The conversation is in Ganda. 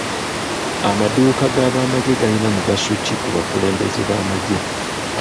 Amadduuka g'abamagye gayina mugaso ki ku bakulembeze b'amagye?